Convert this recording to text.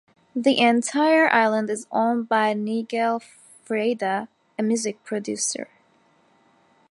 The entire island is owned by Nigel Frieda, a music producer.